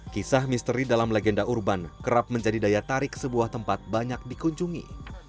kisah misteri dalam legenda urban kerap menjadi daya tarik sebuah tempat banyak dikunjungi